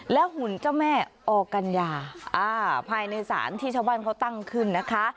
หุ่นเจ้าแม่ออกัญญาภายในศาลที่ชาวบ้านเขาตั้งขึ้นนะคะ